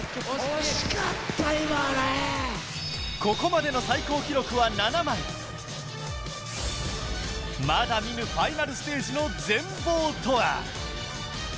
ここまでの最高記録は７枚まだ見ぬファイナルステージの全貌とは？